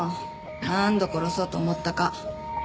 何度殺そうと思ったか。